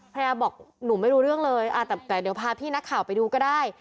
ยาบอกหนูไม่รู้เรื่องเลยแต่เดี๋ยวพาพี่นักข่าวไปดูก็ได้